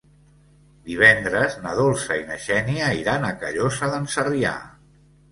Divendres na Dolça i na Xènia iran a Callosa d'en Sarrià.